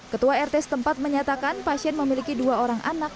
ketua rt setempat menyatakan pasien memiliki dua orang anak